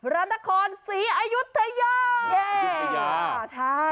รันตะคอนศรีอายุทธยา